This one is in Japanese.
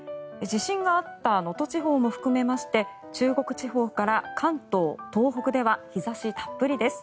地震があった能登地方も含めまして中国地方から関東、東北では日差したっぷりです。